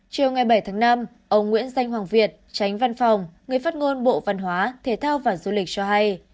chiều ngày bảy tháng năm ông nguyễn danh hoàng việt tránh văn phòng người phát ngôn bộ văn hóa thể thao và du lịch cho hay